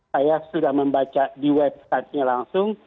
saya sudah membaca di website nya langsung